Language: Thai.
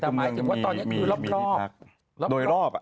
๗๔ตรงนี้คือรอบทรอบ